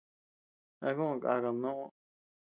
¿A kod kàkad noʼo?